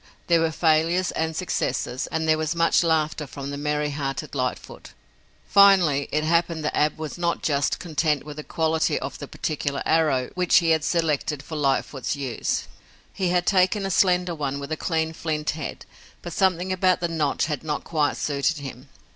There were failures and successes, and there was much laughter from the merry hearted Lightfoot. Finally, it happened that Ab was not just content with the quality of the particular arrow which he had selected for Lightfoot's use. He had taken a slender one with a clean flint head, but something about the notch had not quite suited him.